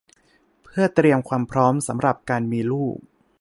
เพื่อเตรียมความพร้อมสำหรับการมีลูก